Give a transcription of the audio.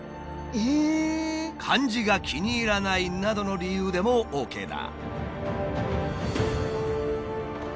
漢字が気に入らないなどの理由でもＯＫだ。